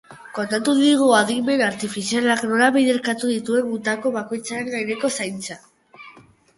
Kontatu digu adimen artifizialak nola biderkatu dituen gutako bakoitzaren gaineko zaintza.